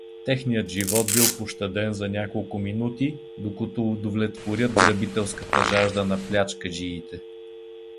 Техният живот бил пощаден за няколко минути, докато удовлетворят грабителската жажда на плячкаджиите.